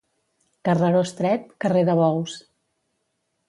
Carreró estret, carrer de bous.